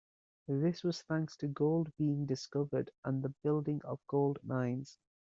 This was thanks to gold being discovered and the building of gold mines.